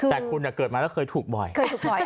แต่คุณเกิดมาแล้วเคยถูกบ่อย